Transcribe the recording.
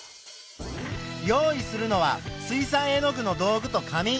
用意するのは水さい絵の具の道具と紙。